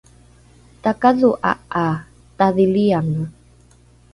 takadho’a ’a tadhiliange